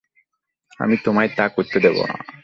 আমি তোমায় তা করতে দেব না।